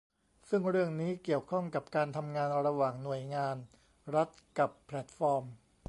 ซึ่งเรื่องนี้เกี่ยวข้องกับการทำงานระหว่างหน่วยงานรัฐกับแพลตฟอร์ม